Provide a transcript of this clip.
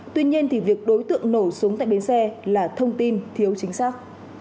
tuy nhiên thì việc đối tượng nổ súng tại bến xe là thông tin thiếu chính xác